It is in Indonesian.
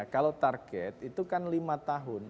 kalau target itu kan lima tahun